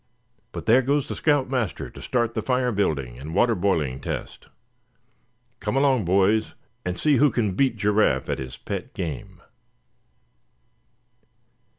But there goes the scout master to start the fire building, and water boiling test. Come along boys and see who can beat Giraffe at his pet game!"